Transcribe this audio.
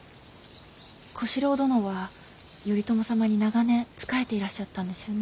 小四郎殿は頼朝様に長年仕えていらっしゃったんですよね。